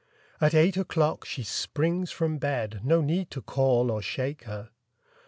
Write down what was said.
At eight o'clock she springs from bed No need to call or shake her.